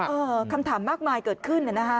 เออคำถามมากมายเกิดขึ้นนะครับ